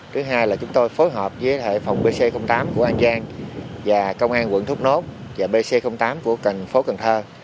thứ hai là chúng tôi phối hợp với phòng pc tám của an giang và công an quận thốt nốt và bc tám của thành phố cần thơ